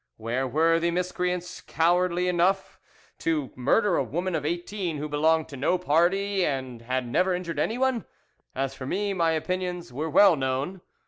Where were the miscreants cowardly enough to murder a woman of eighteen who belonged to no party and had never injured anyone? As for me, my opinions were well known.